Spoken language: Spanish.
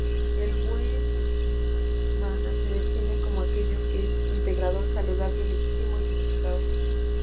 El buen mana se define como aquello que es integrador, saludable, legítimo y unificador.